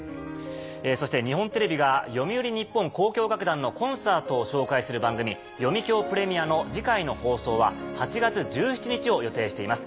そして日本テレビが読売日本交響楽団のコンサートを紹介する番組『読響プレミア』の次回の放送は８月１７日を予定しています。